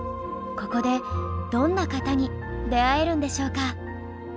ここでどんな方に出会えるんでしょうか？